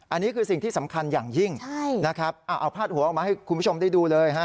อันนี้คือสิ่งที่สำคัญอย่างยิ่งนะครับเอาพาดหัวออกมาให้คุณผู้ชมได้ดูเลยฮะ